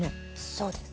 そうです。